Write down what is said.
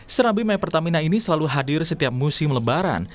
serabi my pertamina ini selalu hadir setiap musim lebaran